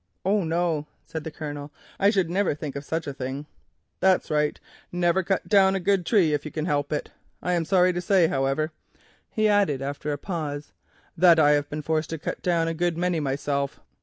"Oh no," said the Colonel, "I should never think of such a thing." "That's right. Never cut down a good tree if you can help it. I'm sorry to say, however," he added after a pause, "that I have been forced to cut down a good many myself.